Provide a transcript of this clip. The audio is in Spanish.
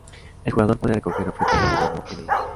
El jugador puede recoger objetos entrando en ellos.